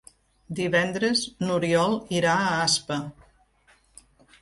Divendres n'Oriol irà a Aspa.